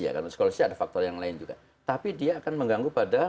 karena skoliosis ada faktor yang lain juga tapi dia akan mengganggu pada